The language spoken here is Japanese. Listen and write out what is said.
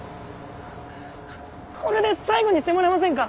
これで最後にしてもらえませんか？